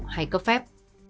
hay cấp phép